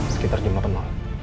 sekitar jam delapan malam